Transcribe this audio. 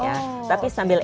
ya tapi sambil ejak